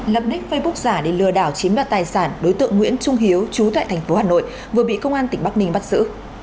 lập đích facebook giả để lừa đảo chiếm đoạt tài sản đối tượng nguyễn trung hiếu trú tại thành phố hà nội vừa bị công an tỉnh bắc ninh bắt giữ